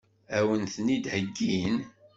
Ad wen-ten-id-heggin?